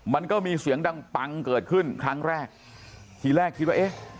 มันก็มีเสียงดังปังเกิดขึ้นครั้งแรกทีแรกคิดว่าเอ๊ะ